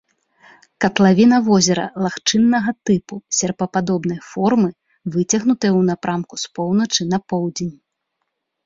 Катлавіна возера лагчыннага тыпу, серпападобнай формы, выцягнутая ў напрамку з поўначы на поўдзень.